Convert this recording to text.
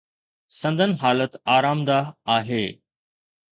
سندن حالت آرامده آهي.